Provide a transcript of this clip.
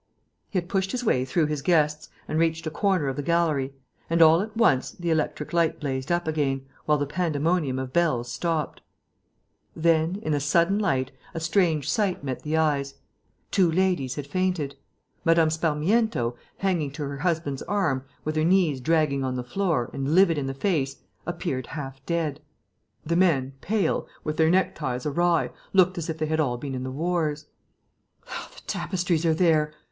He had pushed his way through his guests and reached a corner of the gallery; and, all at once, the electric light blazed up again, while the pandemonium of bells stopped. Then, in the sudden light, a strange sight met the eyes. Two ladies had fainted. Mme. Sparmiento, hanging to her husband's arm, with her knees dragging on the floor, and livid in the face, appeared half dead. The men, pale, with their neckties awry, looked as if they had all been in the wars. "The tapestries are there!"